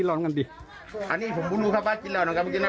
โอ้โห